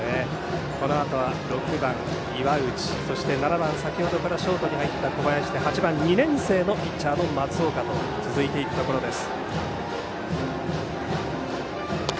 このあとは６番、岩内そして７番、先ほどからショートに入った小林８番、２年生のピッチャーの松岡と続いていくところです。